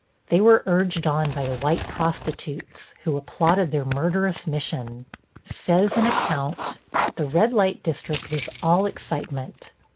They were urged on by the white prostitutes, who applauded their murderous mission. Says an account: The red light district was all excitement.